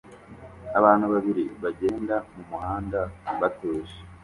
Abantu babiri bagenda mumuhanda batuje